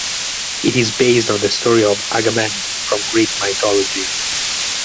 It is based on the story of Agamemnon from Greek Mythology.